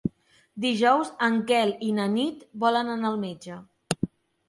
Dijous en Quel i na Nit volen anar al metge.